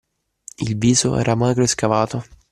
Il viso era magro e scavato